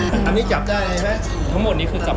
คุณต้องไปคุยกับทางเจ้าหน้าที่เขาหน่อย